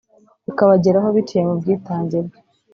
bikabageraho biciye mu bwitange bwe